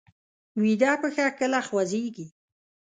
ویده پښه کله خوځېږي